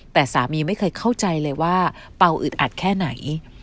แต่สามีไม่เคยเข้าใจเลยว่าเป่าอึดอัดแค่ไหน